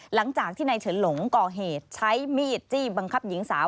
หลังจากที่นายเฉินหลงก่อเหตุใช้มีดจี้บังคับหญิงสาว